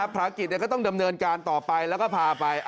ภารกิจก็ต้องดำเนินการต่อไปแล้วก็พาไป